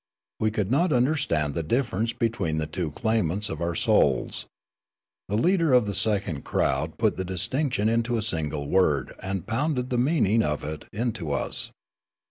We could not understand the difference between the two claimants of our souls. The leader of the second crowd put the distinction into a single word and pounded the meaning of it into us.